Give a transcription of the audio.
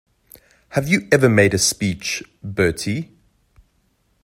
Have you ever made a speech, Bertie?